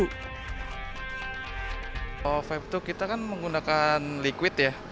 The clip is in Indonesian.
kalau vape itu kita kan menggunakan liquid ya